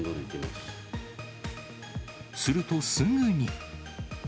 すると、すぐに。